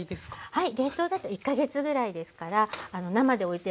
はい。